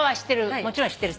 もちろん知ってる。